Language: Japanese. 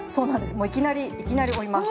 もういきなりいきなり折ります。